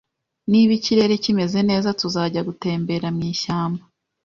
Niba ikirere kimeze neza, tuzajya gutembera mwishyamba.